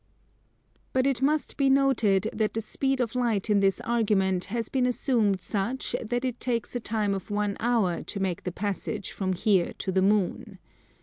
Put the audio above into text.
But it must be noted that the speed of light in this argument has been assumed such that it takes a time of one hour to make the passage from here to the Moon.